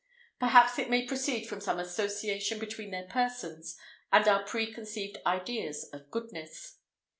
Perhaps it may proceed from some association between their persons and our preconceived ideas of goodness.